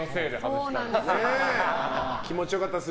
気持ちよかったです